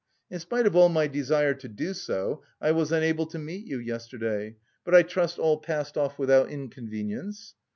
In spite of all my desire to do so, I was unable to meet you yesterday. But I trust all passed off without inconvenience?"